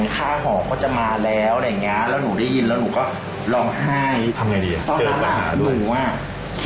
แต่ดูร้านมาแล้วคอนเซปต์ร้านนี้เรียกว่าคำต้องทำให้สุด